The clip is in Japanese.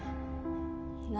何？